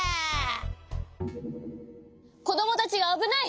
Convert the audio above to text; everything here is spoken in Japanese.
こどもたちがあぶない！